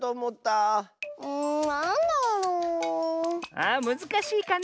あむずかしいかね。